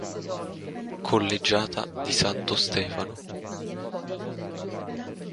Collegiata di Santo Stefano